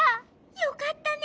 よかったね。